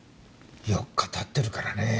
４日経ってるからねぇ。